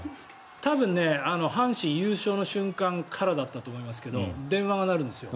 多分、阪神優勝の瞬間からだったと思いますけど電話が鳴るんですよ。